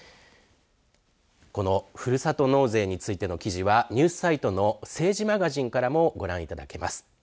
このふるさと納税についての記事は、ニュースサイトの政治マガジンからもご覧いただけます。